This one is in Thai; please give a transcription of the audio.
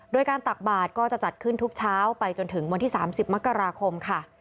โดยการตักบาทก็จะจัดขึ้นทุกเช้าไปจนถึงวันที่๓๐มกราคมค่ะ